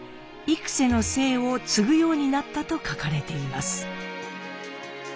「幾」の姓を継ぐようになったと書かれています。